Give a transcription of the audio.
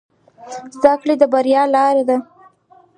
زده کړه د بریا لاره ده